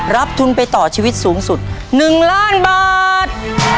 รับทุนไปต่อชีวิตสูงสุด๑ล้านบาท